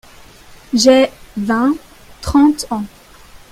J'ai (vingt, trente…) ans.